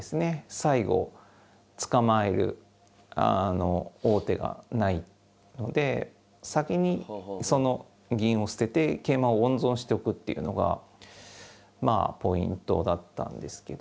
最後捕まえる王手がないので先にその銀を捨てて桂馬を温存しとくっていうのがまあポイントだったんですけど。